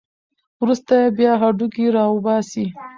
وروسته یې بیا هډوکي راوباسي.